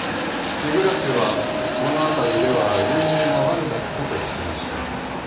日暮はこの辺りでは有名なワルだったと聞きました。